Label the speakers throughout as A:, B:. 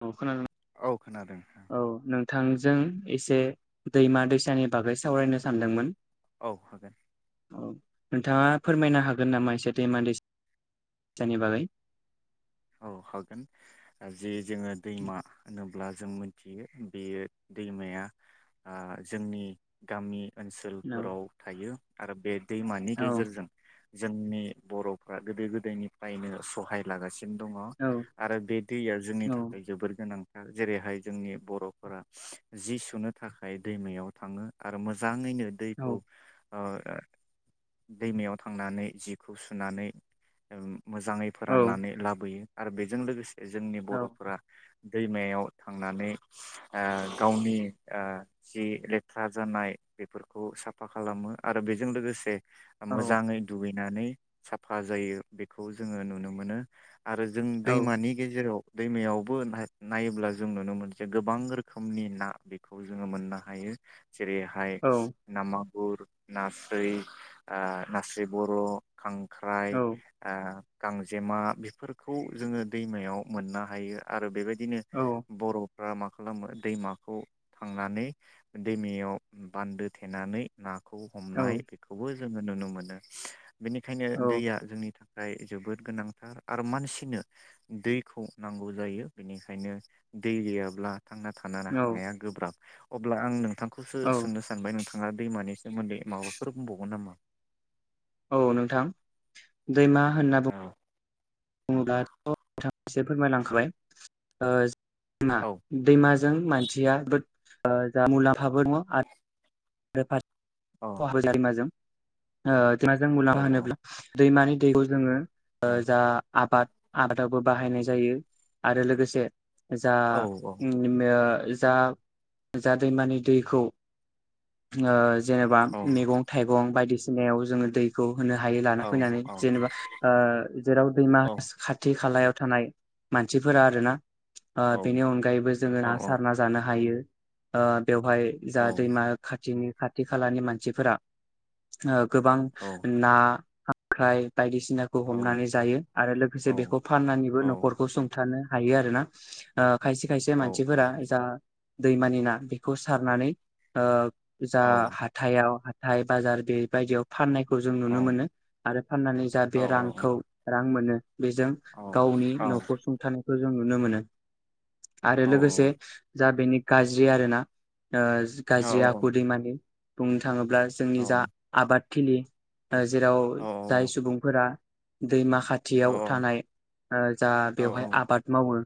A: औ।
B: औ खोनादों।
A: बिथांजों एसे दैमा दैसानि बागै सावरायनो सानदोंमोन।
B: औ हागोन।
A: औ नोंथाङा फोरमायनो हागोन नामा एसे दैमा दैसासानि बागै।
B: औ हागोन जि। जोङो दैमा होनो। अब्ला जों मिथियो बेयो दैमाया जोंनि गामि।
A: औ
B: ओनसोलफोराव थायो। आरो बे। दैमानि
A: औ
B: गेजेरजों। जोंनि बर'फ्रा गोदो गोदायनिफ्रायनो सहाय लागासिनो। दङ
A: औ
B: आरो बे दैया जोंनि
A: औ
B: थाखाय जोबोर गोनां। जेरैहाय जोंनि बर'फोरा जि सुनो थाखाय दैमायाव थाङो आरो मोजाङैनो।
A: औ
B: दैखौ। दैमायाव थांनानै जिखौ सुनानै। मोजाङै
A: औ
B: फोराननानै लाबो। यो आरो बेजों लोगोसे जोंनि बर'फोरा दैमायाव थांनानै गावनि जि लेथ्रा जानाय बेफोरखौ साफा खालामो आरो बेजों लोगोसे
A: औ
B: मोजाङै दुगै नानै साफा जायो बेखौ जोङो नुनो मोनो आरो जों
A: औ
B: दैमानि गेजेराव दैमायावबो नायोब्ला जों नुनो मोनो जे गोबां रोखोमनि ना बेखौ जोङो मोननो हायो। जेरैहाय
A: औ
B: नामा गुुर, नास्रोय ओ नास्रोय बर' खांख्राइ ओ गांजेमा बेफोर खौ जोङो दैमायाव मोननो हायो आरो बेबायदि दिनो
A: औ
B: बर' फोरा मा खालामो दैमाखौ थांनानै दैमायाव बान्दो थेनानै ना खौ हमनाय बेखौबो जोङो नुनो मोनो। बेनिखायनो
A: औ
B: दैया जोंनि था खाय जोबोद गोनांथार आ रो मानसिनो दैखौ नांगौ जायो बेनिखायनो दै गैयाब्ला थांना थानो हानाया गोब्राब। अब्ला आं नोंथां खौसो
A: औ
B: सोंनो सानबाय नोंथां। आरो दैमानि सोमोन्दै माबाफोर बुंबावगोन नामा?
A: औ नोंथां। दैमा होनना बुं
B: औ
A: बुङोब्लाथ' बिथां एसे फोरमायलांखाबाय ओ [unintelligible] दैमा
B: औ
A: दैमाजों मानसिया ओ जा मुलाम्फाबो [unintelligible] बेफार
B: औ
A: खहाबो [unintelligible] ओ [unintelligible]
B: औ
A: मुलाम्फा होनोब्ला दैमानि दैखौ जोङो ओ जा आबाद आबादावबो बाहायनाय जायो आरो लोगोसे जा
B: औ
A: [unintelligible] जा जा दैमानि दैखौ ओ जेनेबा
B: औ
A: मैगं थाइगं बायदि फिसिनायाव जोङो दैखौ होनो हायो लाना
B: औ
A: फैनानै जेनेबा ओ जेराव दैमा
B: औ
A: खाथि खालायाव थानाय मानसिफोरा आरोना। ओ बेनि अनगायैबो जोङो
B: औ
A: ना सारना जानो हायो। आ बेवहाय जा
B: औ
A: दैमा खाथिनि खाथि खालानि मानसिफोरा ओ गोबां
B: औ
A: ना खांख्राय बायदिसिनाखौ
B: औ
A: हमनानै जायो आरो लोगोसे
B: औ
A: बेखौ फाननानैबो
B: औ
A: नखरखौ सुंथानो हायो आरो ना ओ खायसे खायसे
B: औ औ
A: मानसिफोरा जा दैमानि ना बेखौ सारनानै ओ जा
B: औ
A: हाथथायाव [unintelligible] बाजार बे बायदियाव फाननाय जों
B: औ
A: नुनो मोनो आरो फाननानै जा
B: औ
A: बे रांखौ रां मोनो। बेजों
B: औ
A: गावनि नखौ
B: औ
A: सुंथानो खौ जों नुनो मोनो। आरो
B: औ
A: लोगोसे जा बेनि गाज्रि आरोना ओ
B: औ
A: गाज्रि आखु दिमान [unintelligible] थाङोब्ला जोंनि जा आबाद थिलि ओ जेराव जाय सुबुंफोरा दैमा खाथियाव थानाय ओ जा बेवहाय आबाद मावो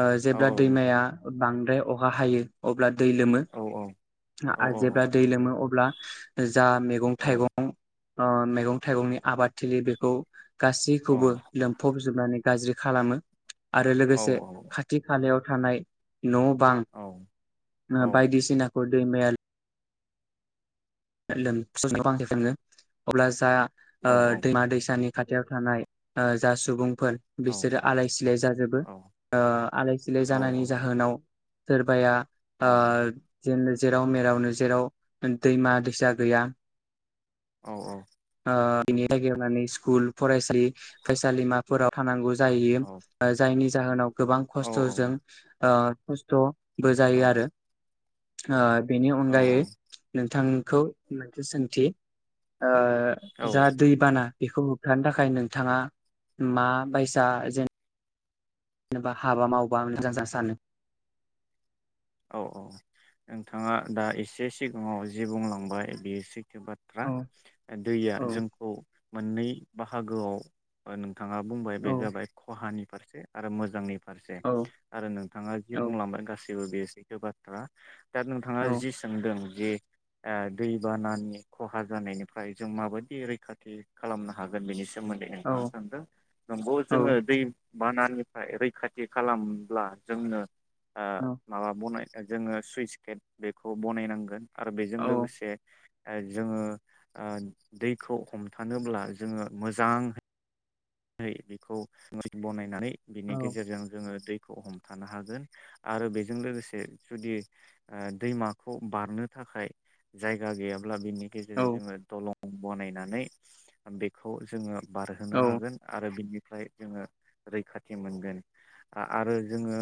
A: ओ
B: औ
A: जेब्ला दैमाया बांद्राय अखा हायो अब्ला दै लोमो [unintelligible] जेब्ला दै लोमो अ ल्बा जो जा मेगं थाइगं अ मैगं थाइगंनि आबादथिलि बेखौ गासैखौबो लोमफबजोबनानै गाज्रि खालामो आरो लोगोसे खाथि खालायाव हानाय न बां ओ बायदिसिना ग दै मेल लोमसाव [unintelligible] ओ
B: औ
A: दैमा दैसानि खाथियाव थानाय ओ जा सुबुं फोर बिसोरो आलाय सिलाय जाजोबो ओ आलाय सिलाय जानायनि जाहोनाव सोरबाया ओ जेनो जेराव मेरावनो जेराव दैमा दै सा गैया
B: औ औ
A: ओ इनि लागि माने स्कुल फरायसि फरायसालिमाफोराव थानांगौ जायैयो ओ जायनि जाहोनाव गोबां खस्थजों ओ बुस्थ बो जायो आरो ओ बेनि अनगायै नोंथां खौ मोनसे सोंथि ओ
B: औ
A: जा दैबाना बेखौ होबथानो थाखाय नोंथाङा मा बायसा जेन एबा हाबा मावबा मोजांजा सानो
B: औ औ नोंथाङा दा एसे सिगाङाव जि बुंलांबाय बेयो सै बाथ्रा
A: औ
B: दैया
A: औ
B: जोंखौ मोननै बाहागोआव ओन थाङा बुंबाय बे
A: औ
B: जाबाय खहानि फारसे आरो मोजाङै फारसे
A: औ
B: आरो नोंथाङा जि बुंलांबाय गासि बो बेस थो बाथ्रा दा नोंथाङा
A: औ
B: जि सोंदों जे ओ दैबानानि खहा जानायनिफ्राय जों माबायदि रैखाथि खालामनो हागोन बेनि सो मोन्दै
A: औ
B: नोंथाङा सानदों नंगौ
A: औ
B: जोङो दै बानानिफ्राय रैखाथि खालामब्ला जोंनो ओ
A: औ
B: [unintelligible] जोङो सुइस गेट बेखौ बनायनांगोन। आरो बेजों
A: औ
B: लोगोसे ओ जोङो ओ दैखौ हमथानोब्ला जोङो मोजां यै बेखौ बनायनानै बिनि गेजेरजों जोङो दै खौ हमथानो हागोन आरो बेजों लोगोसे जुदि ओ दैमाखौ बारनो थाखाय जायगा गैया ब्ला बिनि
A: औ
B: गेजेरजों जोङो दलं बनायनानै बेखौ जोङो
A: औ
B: बारहोनो हागोन। आरो बिनिफ्राय जोङो रैखाथि मोनगोन आ-आरो जोङो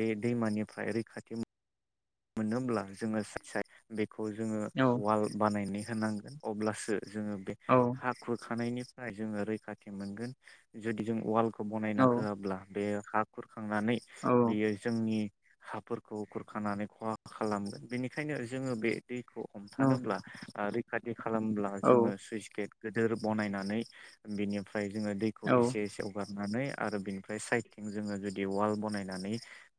B: बे दैमानिफ्राय रैखाथि मोनोब्ला जोङो सायथ सायथ बे खौ जोङो वाल बानायनायनि होनांगोन अब्लासो जोङो बे
A: औ
B: हा खुरखानायनि फ्राय जोङो रैखाथि मोनगोन। जुदि जों वाल खौ बनायना
A: औ
B: होआब्ला बे हा खुर खांनानै
A: औ
B: बियो जोंनि हाफोरखौ खुरखानानै खहा खालामगोन बेनिखायनो जोङो बे दैखौ हमथानोब्ला आरो खाथि खालामब्ला जोङो
A: औ
B: सुइस गेट गिदिर बनायनानै बिनि फ्राय जोङो दैखौ एसे एसे हगार नानै आरो बिनिफ्राय साइदथिं जोङो जुदि वाल बानायनानै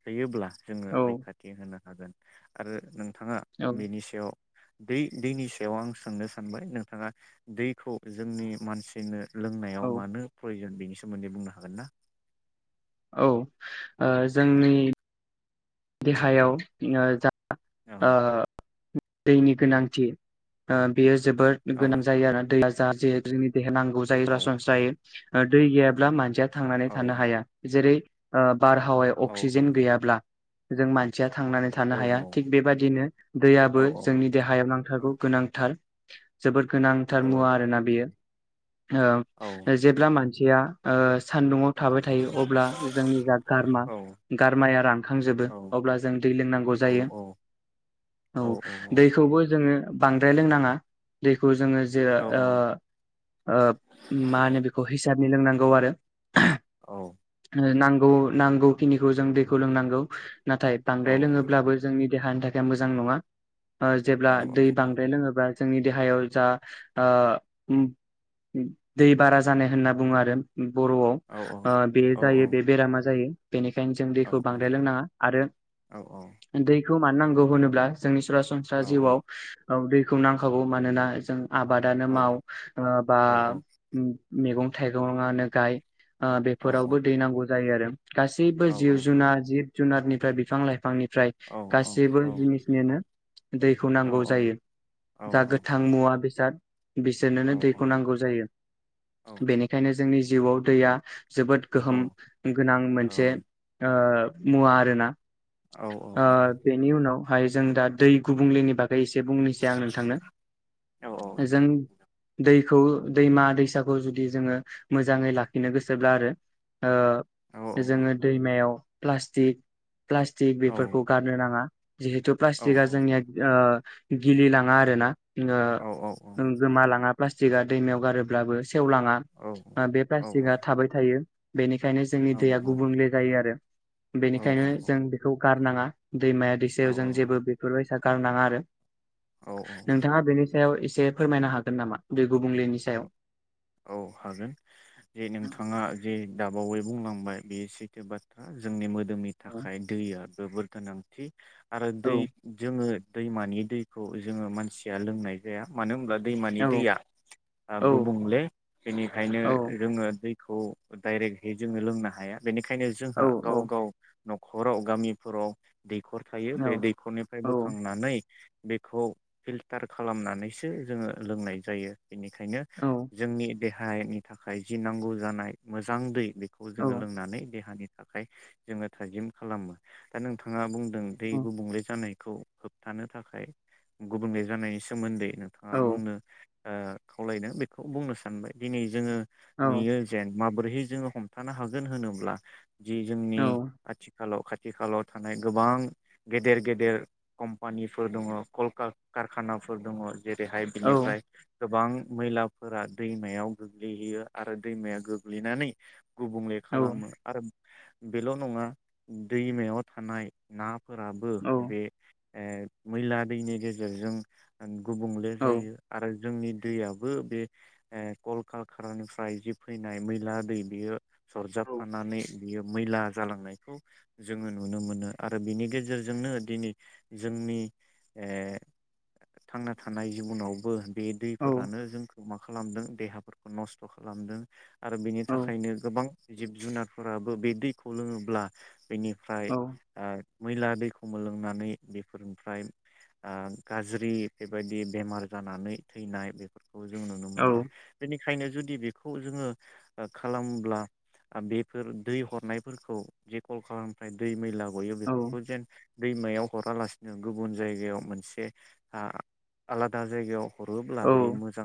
B: होयोब्ला जोङो
A: औ
B: रैखाथि होनां हागोन आरो नों थाङा बेनि
A: औ
B: सायाव दै-दैनि सायाव आं सोंनो सानबाय नोंथाङा दैखौ जोंनि मानसिनो लोंनायाव मानो प्रयजन बेनि सोमोन्दै बुंनो हागोन ना?
A: औ ओ जोंनि देहायाव जा ओ
B: औ
A: दैनि गोनांथि बेयो जोबोद
B: औ
A: गोनां जायो आरो दैया [unintelligible] देहा नांगौ जायो
B: औ
A: सरासनस्रायै दै गैयाब्ला मानसिया थांनानै थानो
B: औ
A: हाया जेरै ओ बारहावायाव
B: औ
A: अक्सिजेन गैयाब्ला जों मानसिया थांनानै
B: औ
A: थानो हाया थिग बेबादिनो
B: औ
A: दैयाबो जोंनि देहायाव नांथारगौ गोनांथार जोबोर गोनांथार
B: औ
A: मुवा आरोना बेयो।
B: औ
A: जेब्ला मान [unintelligible] सान्दुंङाव थाबाय थायो अब्ला जोंनि जा गारमा
B: औ
A: गारमाया रानखांजोबो। अब्ला जों दै लोंनांगौ जायो औ दैखौबो जोङो बांद्राय लोंनाङा दै खौ जोङो जे ओ ओ माहोनो बियो हिस [unintelligible] लोंनांगौ आरो
B: औ
A: नांगौ नांगौखिनिखौ जों दैखौ लोंनांगौ। नाथाय बांद्राय लोङोब्लाबो जोंनि देहानि थाखाय मोजां नङा। ओ जेब्ला दै बांद्राय लोङोबा जोंनि देहायाव जा आ दै बारा जानाय होनना बुङो आरो। बर'आव आ बे जायो बे बेरामा जायो। बेनिखायनो जों दैखौ बांद्राय लोंनाङा। आरो दै खौ मान नांगौ होनोब्ला जोंनि सरा सरासनस्रा जिउआव औ दैखौ नांखागौ मानोना जों आबादानो माव ओ बा मैगं थाइगङानो गाय ओ बेफोरावबो दैेनांगौ जायो आरो। गासैबो जिब जुनार जिब जुनारनिफ्राय बिफां लाइफांनि फ्राय गासैबो जिनिसनिनो दैखौ
B: औ
A: नांगौ
B: औ
A: जायो।
B: औ
A: जा
B: औ
A: गोथां मुवा बेसाद
B: औ
A: बिसोरनोनो दैखौ नांगौ जायो।
B: औ
A: बेनिखायनो जोंनि जिउआव दैया जोबोद
B: औ
A: गोहोम गोनां मोनसे ओ मुवा आरोना
B: औ औ
A: ओ बेनि उनाव ओमफाय जों दा दै गुबुंलेनि बा एसे बुंनोसै आं नोंथांनो
B: औ
A: जों दै खौ दैमा दैसाखौ जुदि जोङो मोजाङै लाखिनो गोसोब्ला आरो ओ जोङो
B: औ
A: दैमायाव प्लास्टिक प्लास्टिक बेफोरखौ गारनो नाङा। जिहेतु प्लास्टिकआ जोंनिया ओ गिलिलाङा आरो ना ओ गोमा लाङा। प्लास्टिकआ दैमायाव गारोब्लाबो सेवलाङा बे प्लास्टिकआ थाबाय थायो। बेनि खायनो जोंनि दैया गुबुंले जायो आरो। बेनिखायनो जों बेखौ गारनाङा। दैमाया दैसायाव जों जेबो बेफोरबाय सा गारनाङा आरो।
B: औ
A: नोंथाङा बेनि सायाव एसे फोरमायनो हागोन नामा बे गुबुंलेनि सायाव?
B: औ हागोन जे नोंथाङा जे दाब बावै बुंलांबाय बेयो सैथो बाथ्रा जोंनि मो जोंनि
A: औ
B: थाखाय दैया जोबोर गोनांथि। आरो
A: औ
B: दै जोङो दैमानि दैखौ जोङो मानसिया लोंनाय जाया मानो होमब्ला दैमानि
A: औ
B: दैया ओ
A: औ
B: गुबुंले बेनिखायनो
A: औ
B: जोङो दैखौ डाइरेक्टहै जोङो लोंनो हाया बेनिखाय खायनो
A: औ
B: जोंहा गाव-गाव नखराव गामिफोराव दैखर थायो
A: औ
B: बे दैखरनिफ्राय बोखांनानै बेखौ फिल्टार खालामनानैसो जोङो लोंनाय जायो। बेनिखायनो
A: औ
B: देहानि थाखाय जि नांगौ जानाय मोजां दै बेखौ जोङो
A: औ
B: लोंनानै देहानि थाखाय जोङो थाजिम खालामो दा नोंथाङा बुं दों दै गुबुंले जानाय खौ होबथानो थाखाय गुबुंले जानायनि सोमोन्दै नोंथाङा
A: औ
B: बुंनो ओ खावलायदों बे खौ बुंनो सानबाय दिनै जोङो
A: औ
B: नुयो जेन माबोरैहै जोङो हमथानो हागोन होनोब्ला जि जोंनि
A: औ
B: आथिखालाव खा थिखालाव थानाय गोबां गेदेर गेदेर कम्पानिफोर दङ कल कार-कारखानाफोर दङ। जेरैहाय
A: औ
B: बिनिफ्राय गोबां मैला फोरा दैमायाव गोग्लैहैयो आरो दैमाया गोग्लैनानै गुबुंले
A: औ
B: खालामो आरो बेल' नङा दैमायाव थानाय ना फोराबो
A: औ
B: बे ए मैला दैनि गेजेरजों गुबुंले
A: औ
B: जायो आरो जोंनि दैयाबो बे ओ कल कालकारानिफ्राय जि फैनाय मैला दै बेयो सरजाबफानानै बियो मैला जालांनायखौ जोङो नुनो मोनो आरो बिनि गेजेरजोंनो दिनै जोंनि थांना ओ थानाय जिबनावबो बे दैफोरानो जों मा खालामदों देहाफोरखौ नस्थ' खालामदों। आरो बिनि थाखायनो गोबां जिब जुनारफोराबो बे दैखौ लोङोब्ला बेनिफ्राय आ मैला दैखौ मोलोंनानै बेफोरनिफ्राय आ गाज्रि बेबायदि बेमार जानानै थैनाय बेफोरखौ जों नुनो
A: औ
B: मोनदों बेनि ओखायनो जुदि बेखौ जोङो ओ खालामब्ला बेफोर दै हरनायफोरखौ जे कल खालामफ्राय दै मैला बेङो बेफोरखौ जेन दैमायाव हरालासिनो गुबुन जायगायाव मोनसे आ आलादा जायगायाव हरोब्ला बे मोजां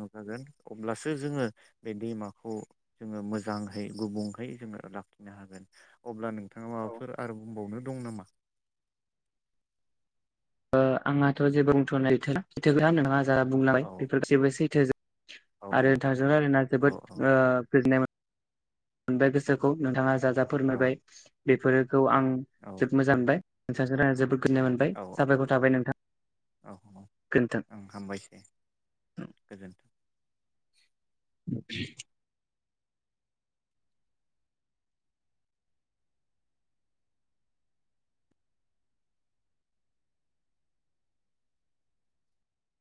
B: अब्लासो जोङो बे दैमाखौ जोङो मोजांङै गुबुंहै जोङो लाखिनो हागोन अब्ला नों नोंथाङा माबाफोर आरो बुंबावनो? दं नामा?
A: ओ आंहाथ जेबो बुंथनाय गैथला [unintelligible] जा
B: औ
A: बुंलांबाय बेफोरखौ जेबो सैथो जोब
B: औ
A: आरो
B: औ
A: थांजों रायलायना
B: औ
A: जोबोद ओ गोजोननाय मोन मोनबाय गोसोखौ नोंथाङा जा जा
B: औ
A: फोरमायबाय बेफोरो खौ आं
B: औ
A: जोब मोजां मोनबाय नोंथां‌जों राइलायना जोबोद गोजोननाय मोनबाय
B: औ
A: साबायखर थाबाय नोंथां
B: औ
A: गोजोन्थों।
B: ओं हामबायसै गोजोन
A: [unintelligible]